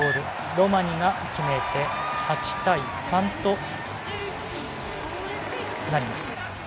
ロマニが決めて８対３となります。